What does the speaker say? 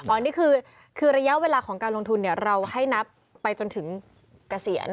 อันนี้คือระยะเวลาของการลงทุนเราให้นับไปจนถึงเกษียณ